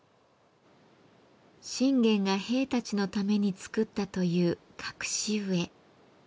信玄が兵たちのためにつくったという隠し湯へ。